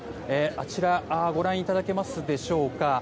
あちらご覧いただけますでしょうか。